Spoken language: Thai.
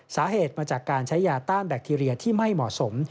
สาเหตุมาจากการใช้ยาต้านแบคทีเรียที่ไม่เหมาะสม